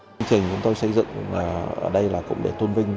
chương trình chúng tôi xây dựng ở đây là cũng để tôn vinh